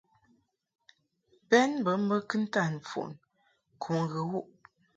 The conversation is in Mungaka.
Bɛn bə mbə kɨntan mfon kum ghə wuʼ.